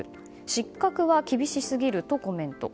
失格は厳しすぎるとコメント。